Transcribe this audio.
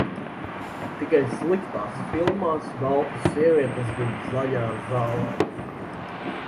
Tikai sliktās filmās baltas sievietes guļ zaļā zālē.